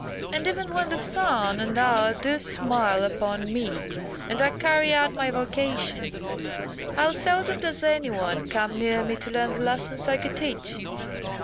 And even when the sun and hour do smile upon me, and I carry out my vocation, how seldom does any one come near me to learn the lessons I could teach.